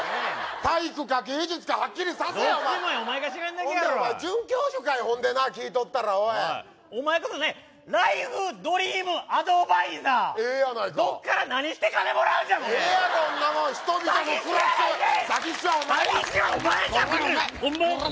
体育か芸術かはっきりさせやどっちもやお前が知らんだけやろほんでお前准教授かいほんでなあ聞いとったらおいお前こそなんやライフドリームアドバイザーええやないかどっから何して金もらうんじゃボケええやろそんなもん人々の暮らしを詐欺師やないかい詐欺師はお前や詐欺師はお前じゃお前コラ